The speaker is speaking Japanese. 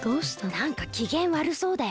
なんかきげんわるそうだよね。